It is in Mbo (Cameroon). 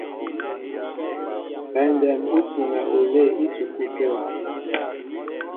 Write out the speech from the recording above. Bɛndɛm ú tɔ́ŋɛ olɛ́ɛ́ ísukúlu tə̂.